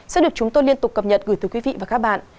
sẽ được chúng tôi liên tục cập nhật gửi tới quý vị và các bạn